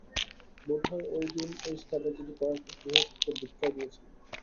বোধ হয়, ঐ দিন ঐ স্থানে তিনি কয়েকটি গৃহস্থকে দীক্ষাও দিয়াছিলেন।